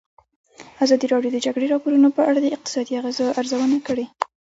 ازادي راډیو د د جګړې راپورونه په اړه د اقتصادي اغېزو ارزونه کړې.